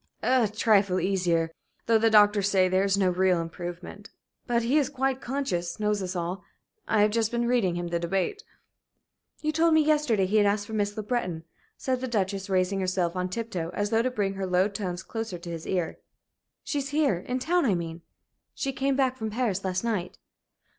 "A trifle easier, though the doctors say there is no real improvement. But he is quite conscious knows us all. I have just been reading him the debate." "You told me yesterday he had asked for Miss Le Breton," said the Duchess, raising herself on tiptoe as though to bring her low tones closer to his ear. "She's here in town, I mean. She came back from Paris last night."